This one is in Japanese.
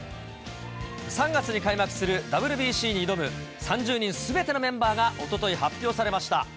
３月に開幕するＷＢＣに挑む３０人すべてのメンバーがおととい発表されました。